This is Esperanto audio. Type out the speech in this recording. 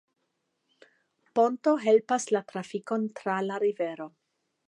Ponto helpas la trafikon tra la rivero.